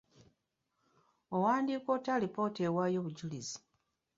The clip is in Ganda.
Owandiika otya alipoota ewaayo obuyinza?